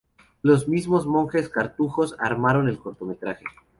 Los mismos monjes Cartujos amaron el cortometraje.